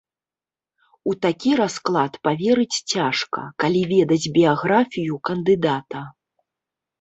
У такі расклад паверыць цяжка, калі ведаць біяграфію кандыдата.